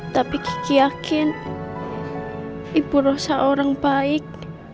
tapi kiki yakin ibu rasa orang baik